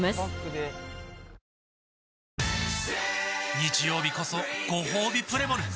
日曜日こそごほうびプレモル！